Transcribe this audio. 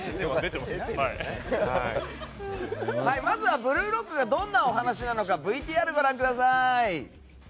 まずは「ブルーロック」がどういうお話なのかＶＴＲをご覧ください。